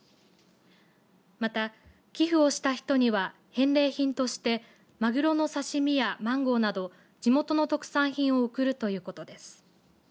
また、寄付をした人には返礼品としてマグロの刺身や、マンゴーなど地元の特産品を送るということです。